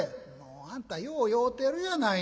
「あんたよう酔うてるやないの。